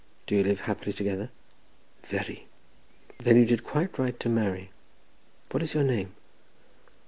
"Do you live happily together?" "Very." "Then you did quite right to marry. What is your name?"